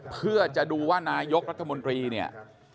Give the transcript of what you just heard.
เพื่อจะดูว่านายกรัฐมนตรีเนี่ย